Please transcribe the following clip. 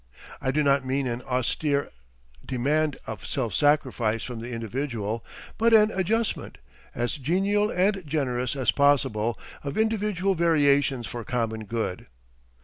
I do not mean an austere demand of self sacrifice from the individual, but an adjustment as genial and generous as possible of individual variations for common good.